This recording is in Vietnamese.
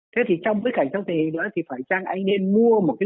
thế thì trong cái cảnh trong tình hình nữa thì phải chăng anh nên mua một cái